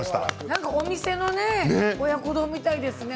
何かお店の親子丼みたいですね。